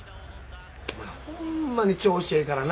お前ホンマに調子ええからな。